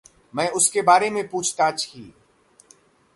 मैं उसके बारे में पूछ-ताछ की।